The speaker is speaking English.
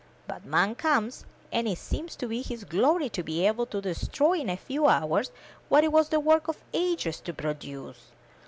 But man comes, and it seems to be his glory to be able to destroy in a few hours what it was the work of ages to produce.